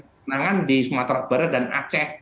kenangan di sumatera barat dan aceh